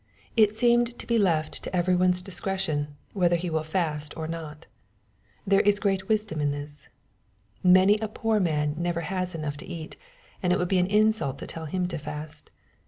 It seems to be left to every one's discretion, whether he will fast or not. — There is great wisdom in this. Many a poor man never has enough to eat, and it would be an insult to tell him to fast.